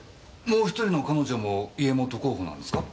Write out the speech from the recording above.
もう一人の彼女も家元候補なんですか？